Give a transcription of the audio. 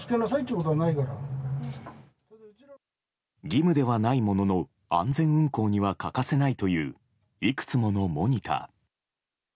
義務ではないものの安全運航には欠かせないといういくつものモニター。